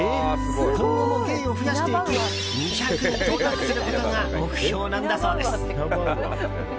今後も芸を増やしていき２００に到達することが目標なんだそうです。